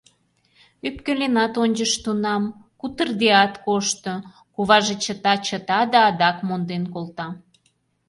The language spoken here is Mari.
Ӧпкеленат ончыш тунам, кутырыдеат кошто — куваже чыта-чыта да адак монден колта.